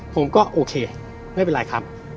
ผมก็โอเคไม่เป็นไรครับ